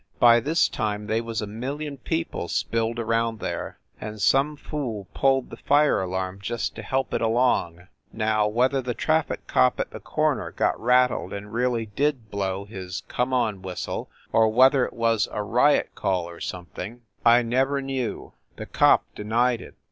By this time they was a million people spilled around there and some fool pulled the fire alarm just to help it along. Now, whether the traffic cop at the corner got rattled and really did blow his "come on" whistle, or whether it was a riot call or something, I never 254 FIND THE WOMAN knew. The cop denied it.